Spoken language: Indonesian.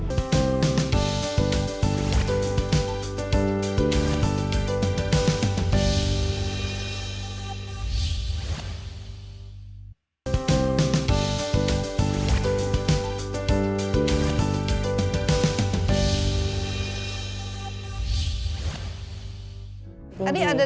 tapi saya berasa sepertiinchang